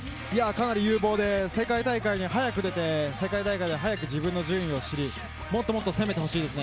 かなり有望で世界大会に早く出て、世界大会で早く自分の順位を知り、もっともっと攻めてほしいです。